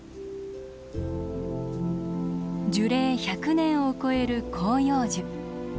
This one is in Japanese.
樹齢１００年を超える広葉樹。